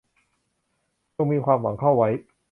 จงมีความหวังเข้าไว้